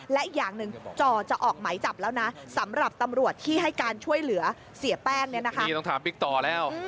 และอย่างหนึ่งจอจะออกไหมจับแล้วนะสำหรับตำรวจที่ให้การช่วยเหลือเสียแป้งเนี่ยนะคะ